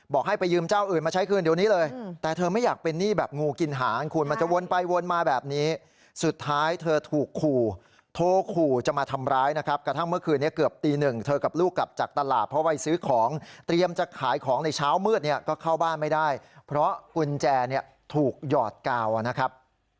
ให้ไปยืมเจ้าอื่นมาใช้คืนเดี๋ยวนี้เลยแต่เธอไม่อยากเป็นหนี้แบบงูกินหางคุณมันจะวนไปวนมาแบบนี้สุดท้ายเธอถูกขู่โทรขู่จะมาทำร้ายนะครับกระทั่งเมื่อคืนนี้เกือบตีหนึ่งเธอกับลูกกลับจากตลาดเพราะวัยซื้อของเตรียมจะขายของในเช้ามืดเนี่ยก็เข้าบ้านไม่ได้เพราะกุญแจเนี่ยถูกหยอดกาวนะครับ